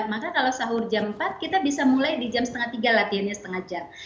maka kalau sahur jam empat kita bisa mulai di jam setengah tiga latihannya setengah jam